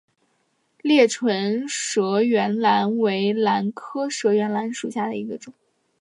裂唇舌喙兰为兰科舌喙兰属下的一个种。